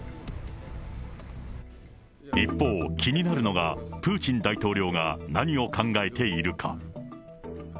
一方、気になるのが、プーチン大統領が何を考えているか。